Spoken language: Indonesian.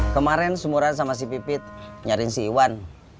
kemarin sumuran sama si pipit nyarin si iwan